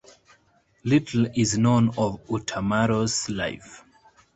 Little is known of Utamaro's life.